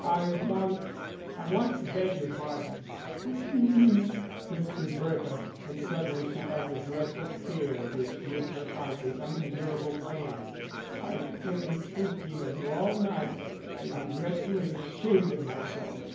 "I want I want to beg your pardon." "What do you mean?" whispered Bertha, and suddenly she felt a dreadful fear which gripped her heart with unendurable pain. "I've been thinking of you all night, and I'm dreadfully ashamed of myself.